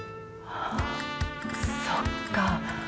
あそっか。